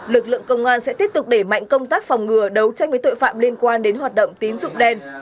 lực lượng công an sẽ tiếp tục đẩy mạnh công tác phòng ngừa đấu tranh với tội phạm liên quan đến hoạt động tín dụng đen